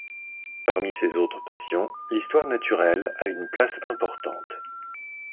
Parmi ses autres passions, l'histoire naturelle a une place importante.